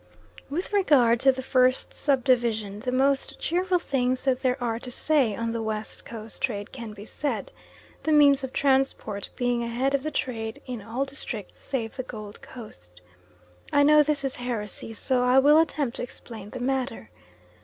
With regard to the first sub division the most cheerful things that there are to say on the West Coast trade can be said; the means of transport being ahead of the trade in all districts save the Gold Coast. I know this is heresy, so I will attempt to explain the matter.